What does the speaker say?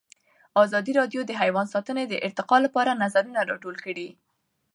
ازادي راډیو د حیوان ساتنه د ارتقا لپاره نظرونه راټول کړي.